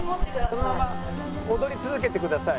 そのまま踊り続けてください。